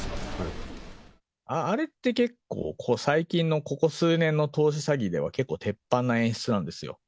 あれって、結構、最近の、ここ数年の投資詐欺では結構鉄板の演出なんですよ。